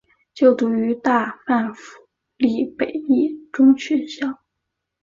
就读于大阪府立北野中学校。